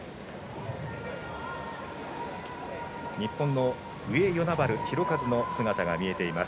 日本の上与那原寛和の姿が見えています。